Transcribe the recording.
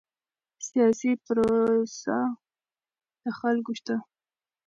سیاسي پروسه د خلکو ده